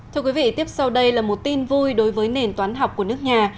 thưa quý vị tiếp sau đây là một tin vui đối với nền toán học của nước nhà